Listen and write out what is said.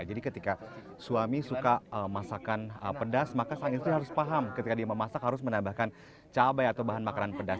jadi ketika suami suka masakan pedas maka sayang istri harus paham ketika dia memasak harus menambahkan cabai atau bahan makanan pedas